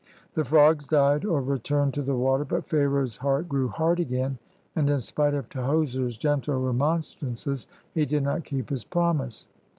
The frogs died or returned to the water ; but Pharaoh's heart grew hard again, and, in spite of Tahoser's gentle remonstrances, he did not keep his promise.